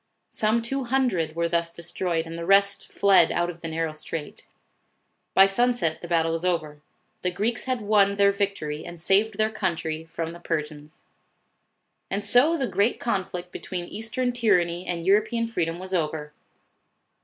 Some two hundred were thus destroyed, and the rest fled out of the narrow strait. By sunset the battle was over. The Greeks had won their victory and saved their country from the Persians. And so the great conflict between Eastern tyr anny and European freedom was over.